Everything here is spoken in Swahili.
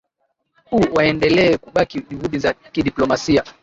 u waendelee kubaki juhudi za kidiplomasia